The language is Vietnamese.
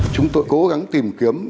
chúng tôi cố gắng tìm kiếm